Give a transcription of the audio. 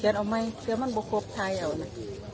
เชียงอ๋อไหมเชียงมันบกโภคถ่ายเอานะ